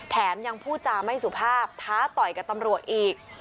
แถมยังพูดจาไม่สุภาพท้าต่อยกับตำรวจอีก